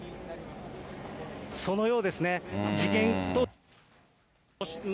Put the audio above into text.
そのようですね。